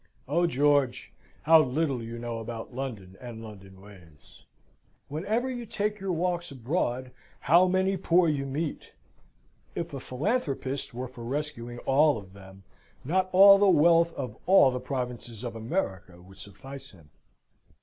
Oh, George, how little you know about London and London ways! Whenever you take your walks abroad how many poor you meet if a philanthropist were for rescuing all of them, not all the wealth of all the provinces of America would suffice him!